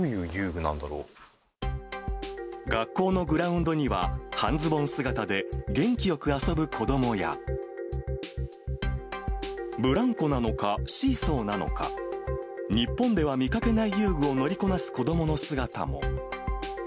学校のグラウンドには、半ズボン姿で元気よく遊ぶ子どもや、ブランコなのか、シーソーなのか、日本では見かけない遊具を乗りこなす子どもの姿も。